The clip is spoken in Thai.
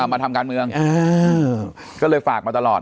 มาทำการเมืองก็เลยฝากมาตลอด